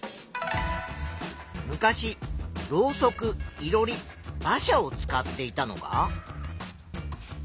昔ろうそくいろり馬車を使っていたのが。